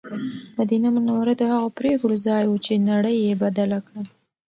مدینه منوره د هغو پرېکړو ځای و چې نړۍ یې بدله کړه.